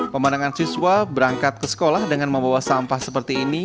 pemandangan siswa berangkat ke sekolah dengan membawa sampah seperti ini